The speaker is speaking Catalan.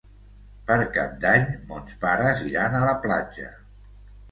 Per Cap d'Any mons pares iran a la platja.